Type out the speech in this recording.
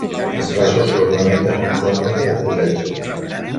Els braços s'ornamenten amb fronda o fullatge.